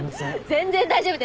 全然大丈夫です。